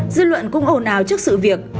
dư luận cũng ồn ào trước sự việc